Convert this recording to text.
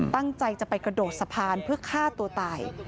ตั้งใจจะไปกระโดดสะพานเพื่อฆ่าตัวตาย